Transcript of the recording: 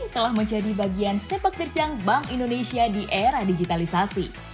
telah menjadi bagian sepak terjang bank indonesia di era digitalisasi